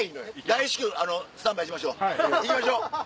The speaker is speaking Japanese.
大至急スタンバイしましょう行きましょう。